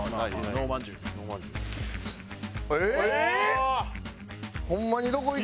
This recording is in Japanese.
えっ？